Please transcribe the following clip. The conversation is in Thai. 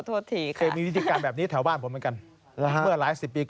ตอนที่เราเสนอข่าวแล้วโจรมันรู้แล้วนี่